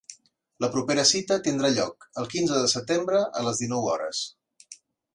La propera cita tindrà lloc el quinze de setembre a les dinou hores.